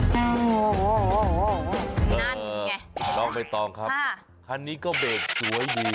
นานนี่ไงลองไม่ต้องครับคันนี้ก็เบรกสวยดี